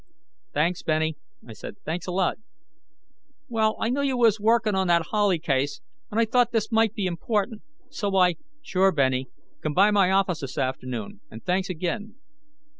"Thanks, Benny," I said, "thanks a lot." "Well, I knew you was working on that Howley case, and I thought this might be important, so I " "Sure, Benny. Come by my office this afternoon. And thanks again."